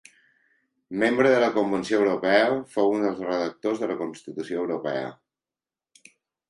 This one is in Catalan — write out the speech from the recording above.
Membre de la Convenció Europea, fou un dels redactors de la Constitució Europea.